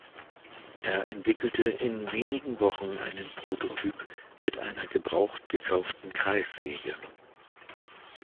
Er entwickelte in wenigen Wochen einen Prototyp mit einer gebraucht gekauften Kreissäge.